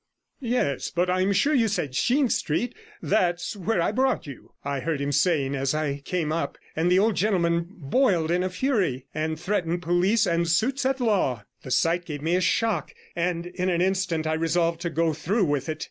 'Yes, but I'm sure you said Sheen Street, and that's where I brought you,' I heard him saying as I came up, and the old gentleman boiled in a fury, and threatened police and suits at law. The sight gave me a shock, and in an instant I resolved to go through with it.